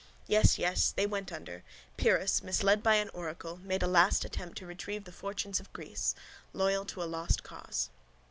Yes, yes. They went under. Pyrrhus, misled by an oracle, made a last attempt to retrieve the fortunes of Greece. Loyal to a lost cause.